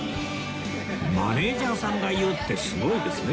マネージャーさんが言うってすごいですね